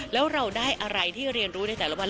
แล้วเราได้อะไรที่เรียนรู้ในแต่ละวัน